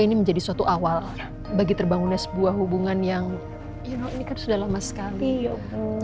ini menjadi suatu awal bagi terbangunnya sebuah hubungan yang jauh mudah lama sekali